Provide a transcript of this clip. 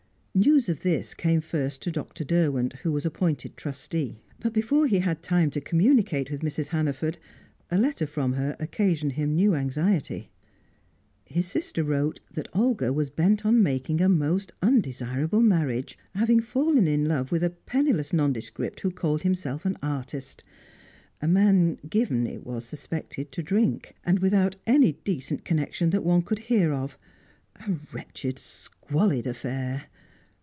News of this came first to Dr. Derwent, who was appointed trustee. But before he had time to communicate with Mrs. Hannaford, a letter from her occasioned him new anxiety. His sister wrote that Olga was bent on making a most undesirable marriage, having fallen in love with a penniless nondescript who called himself an artist; a man given, it was suspected, to drink, and without any decent connection that one could hear of. A wretched, squalid affair!